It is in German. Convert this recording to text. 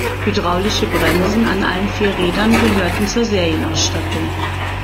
Hydraulische Bremsen an allen vier Rädern gehörten zur Serienausstattung.